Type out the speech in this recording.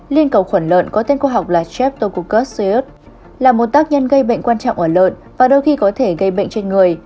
liên cầu khuẩn lợn có tên khoa học là streptococusiot là một tác nhân gây bệnh quan trọng ở lợn và đôi khi có thể gây bệnh trên người